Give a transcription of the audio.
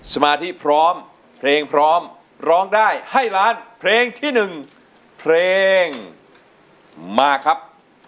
สมาธิพร้อมเพลงพร้อมร้องได้ให้ล้านเพลงที่๑เพลงมาครับ